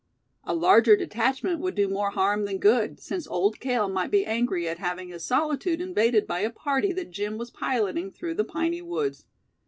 A larger detachment would do more harm than good, since Old Cale might be angry at having his solitude invaded by a party that Jim was piloting through the piney woods.